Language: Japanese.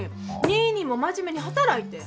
ニーニーも真面目に働いて。